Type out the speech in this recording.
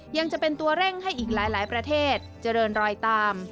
ยังจะเป็นตัวเร่งให้อีกหลายประเทศเจริญรอยตาม